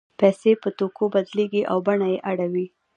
پیسې په توکو بدلېږي او بڼه یې اوړي